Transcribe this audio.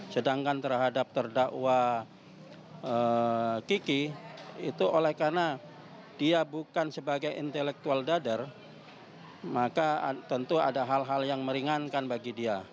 sedangkan terhadap terdakwa kiki itu oleh karena dia bukan sebagai intelektual dadar maka tentu ada hal hal yang meringankan bagi dia